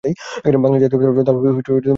বাংলাদেশ জাতীয়তাবাদী দল নির্বাচন বর্জন করে।